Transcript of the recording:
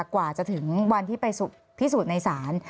กว่าจะถึงวันที่ไปพิสูจน์ในศาล